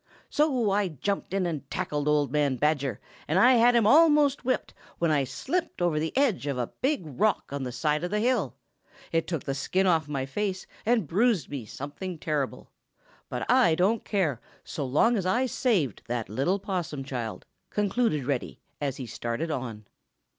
"So I jumped in and tackled old man Badger, and I had him almost whipped, when I slipped over the edge of a big rock on the side of the hill. It took the skin off my face and bruised me something terrible. But I don't care, so long as I saved that little Possum child," concluded Reddy, as he started on.